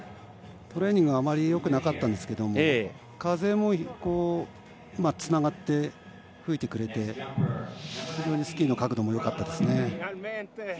トレーニングがあまりよくなかったんですけど風もつながって吹いてくれて非常にスキーの角度もよかったです。